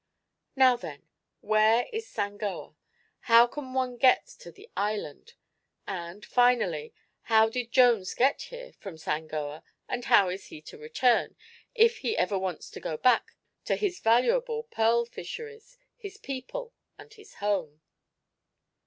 "Now, then, where is Sangoa? How can one get to the island? And, finally, how did Jones get here from Sangoa and how is he to return, if he ever wants to go back to his valuable pearl fisheries, his people and his home?"